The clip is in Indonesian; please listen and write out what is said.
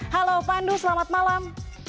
halo pandu selamat malam